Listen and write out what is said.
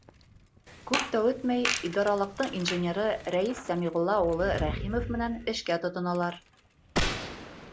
Күп тә үтмәй, идаралыҡтың инженеры Рәйес Сәмиғулла улы Рәхимов менән эшкә тотоналар.